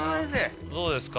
どうですか？